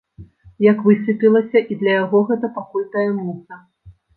Як высветлілася, і для яго гэта пакуль таямніца.